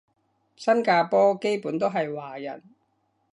新加坡基本都係華人